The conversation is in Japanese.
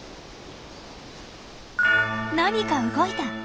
何か動いた！